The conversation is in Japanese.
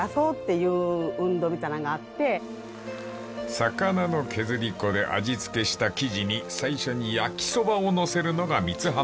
［魚の削り粉で味付けした生地に最初に焼きそばを載せるのが三津浜流］